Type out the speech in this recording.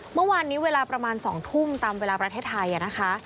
เมื่อวานนี้เวลาประมาณ๒ทุ่มตามเวลาประเทศไทยนะคะ